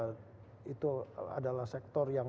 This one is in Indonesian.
nah itu adalah sektor yang